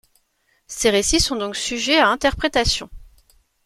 Ces récits sont donc sujets à interprétation.